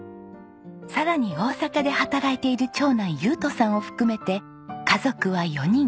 さらに大阪で働いている長男優斗さんを含めて家族は４人。